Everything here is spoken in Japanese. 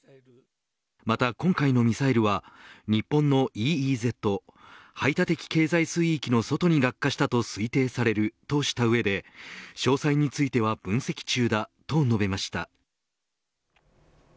また今回のミサイルは日本のＥＥＺ排他的経済水域の外に落下したと推定されるとした上で詳細については分析中だと述べました。